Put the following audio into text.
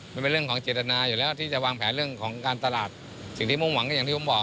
มันเป็นเรื่องของเจตนาอยู่แล้วที่จะวางแผนเรื่องของการตลาดสิ่งที่มุ่งหวังก็อย่างที่ผมบอก